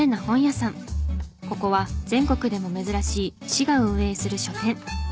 ここは全国でも珍しい市が運営する書店。